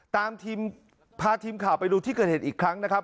ทีมพาทีมข่าวไปดูที่เกิดเหตุอีกครั้งนะครับ